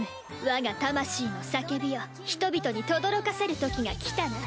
我が魂の叫びを人々に轟かせるときが来たな。